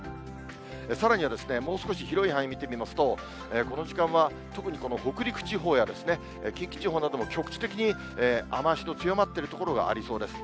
さらにはもう少し広い範囲見てみますと、この時間は、特にこの北陸地方や近畿地方なども局地的に雨足の強まっている所がありそうです。